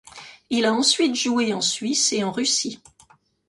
Il a ensuite joué en Suisse et en Russie.